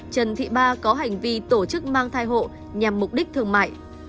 trần thị ba có hành vi tổ chức mang thai hộ nhằm mục đích thương mại